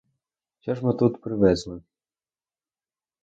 Що ж ми тут привезли?